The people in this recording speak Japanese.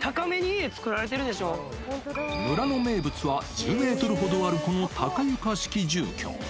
高めに家、村の名物は、１０メートルほどあるこの高床式住居。